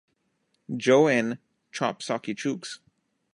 Joe in "Chop Socky Chooks".